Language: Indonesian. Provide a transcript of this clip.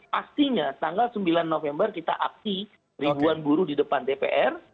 pastinya tanggal sembilan november kita aksi ribuan buruh di depan dpr